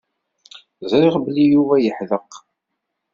Ẓriɣ belli Yuba yeḥdeq.